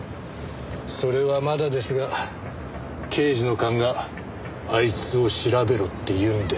それはまだですが刑事の勘があいつを調べろっていうんですよ。